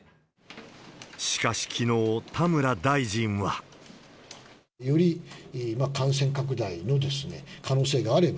しかし、きのう田村大臣は。より感染拡大の可能性があれば、